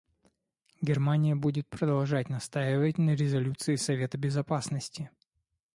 Германия будет продолжать настаивать на резолюции Совета Безопасности.